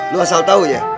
lo asal tau ya